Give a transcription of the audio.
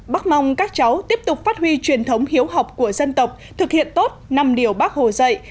bác mong các cháu tiếp tục phát huy truyền thống hiếu học của dân tộc thực hiện tốt năm điều bác hồ dạy